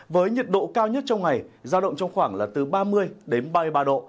với nhiệt độ cao nhất trong ngày giao động trong khoảng là từ ba mươi đến ba mươi ba độ